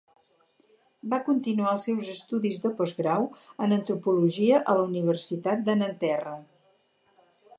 Va continuar els seus estudis de postgrau en Antropologia a la Universitat de Nanterre.